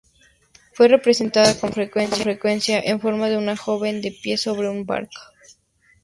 Fue representada con frecuencia en forma de una joven, de pie sobre una barca.